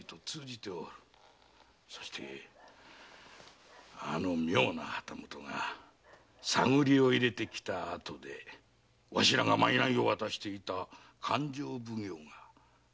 そしてあの妙な旗本が探りを入れてきたあとでわしらが賄を渡していた勘定奉行が閉門となった。